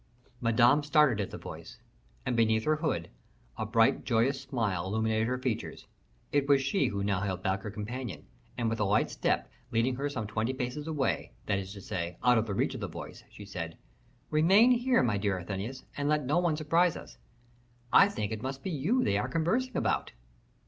Madame started at the voice; and, beneath her hood, a bright joyous smile illumined her features. It was she who now held back her companion, and with a light step leading her some twenty paces away, that is to say, out of the reach of the voice, she said, "Remain here, my dear Athenais, and let no one surprise us. I think it must be you they are conversing about."